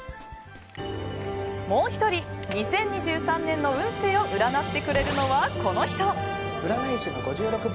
もう１人、２０２３年の運勢を占ってくれるのはこの人。